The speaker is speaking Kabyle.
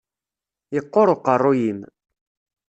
Yeqquṛ uqeṛṛu-yim.